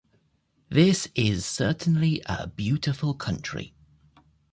This is certainly a beautiful country!